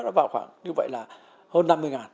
nó vào khoảng như vậy là hơn năm mươi